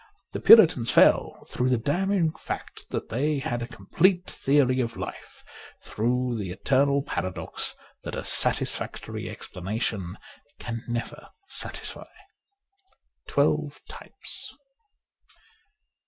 The Puritans fell, through the damning fact that they had a complete theory of life, through the eternal paradox that a satisfactory explanation can never satisfy. ' Twelve Types.''